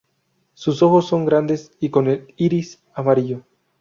Sus ojos son grandes y con el iris amarillo.